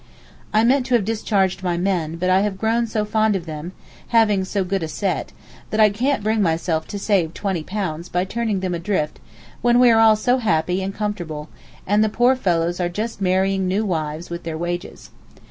I meant to have discharged my men, but I have grown so fond of them (having so good a set), that I can't bring myself to save £20 by turning them adrift when we are all so happy and comfortable, and the poor fellows are just marrying new wives with their wages.